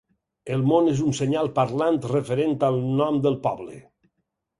El món és un senyal parlant referent al nom del poble.